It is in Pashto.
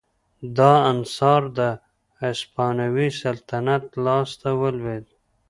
دا انحصار د هسپانوي سلطنت لاس ته ولوېد.